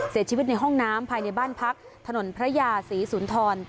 เสียชีวิตในห้องน้ำภายในบ้านพักถนนพระยาศรีสุนทร